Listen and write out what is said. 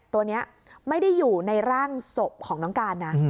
ตัวนี้ไม่ได้อยู่ในร่างศพของน้องการนะ